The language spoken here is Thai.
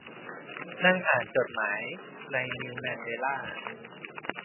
นั่งอ่าน จดหมาย ในนิวแมนเดล่า